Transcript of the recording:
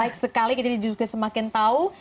baik sekali kita juga semakin tahu